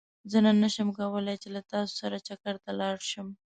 زه نن نه شم کولاي چې له تاسو سره چکرته لاړ شم